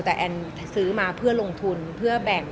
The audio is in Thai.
แต่แอนซื้อมาเพื่อลงทุนเพื่อแบ่ง